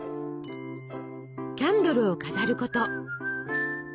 キャンドルを飾ること。